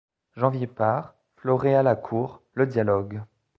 Janvier part, floréal accourt ; le dialogue